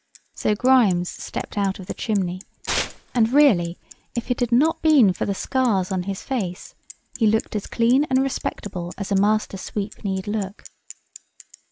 So Grimes stepped out of the chimney, and really, if it had not been for the scars on his face, he looked as clean and respectable as a master sweep need look.